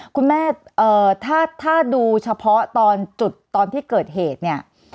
คุณแม่ถ้าดูเฉพาะตอนจุดตอนที่เกิดเหตุเนี่ย